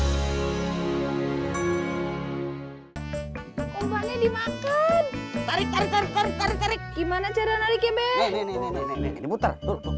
hai umpanya dimakan tarik tarik gimana cara nariknya bener bener muter